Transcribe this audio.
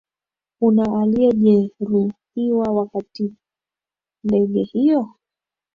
una aliyejeruhiwa wakati ndege hiyo